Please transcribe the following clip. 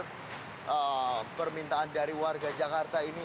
dan juga untuk memiliki perintah dari warga jakarta ini